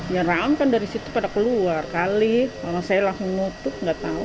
ya raung kan dari situ pada keluar kali saya langsung nutup nggak tahu